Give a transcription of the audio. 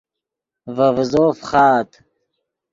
ڤے ڤیزو فخآت